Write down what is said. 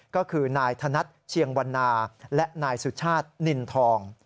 ก็คือนายธนัดเชียงวันนาและนายสุชาตินินทอง